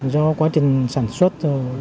do quá trình sản xuất